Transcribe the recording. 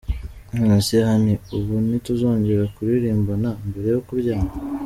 Nonese Honey ubu ntituzongera kuririmbana mbere yo kuryama??